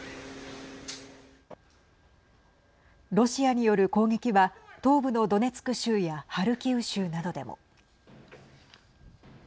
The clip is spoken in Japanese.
ロシアによる攻撃は東部のドネツク州やハルキウ州などでも。